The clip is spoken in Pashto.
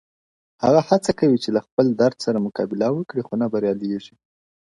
هغه هڅه کوي چي له خپل درد سره مقابله وکړي خو نه برياليږي,